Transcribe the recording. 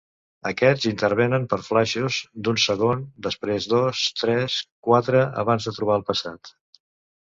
Aquests intervenen per flaixos d'un segon després dos, tres, quatre abans de trobar el passat.